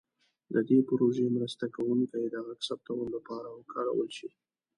د دې پروژې مرسته کوونکي د غږ ثبتولو لپاره وکارول شي.